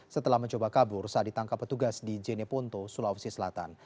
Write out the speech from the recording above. setelah mencoba kabur saat ditangkap petugas di jeneponto sulawesi selatan